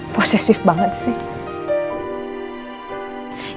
posesif banget sih